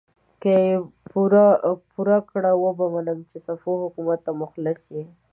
که دې پوره کړ، وبه منم چې صفوي حکومت ته مخلص يې!